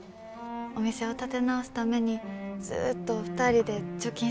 お店を建て直すためにずっと２人で貯金してきました。